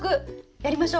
やりましょう。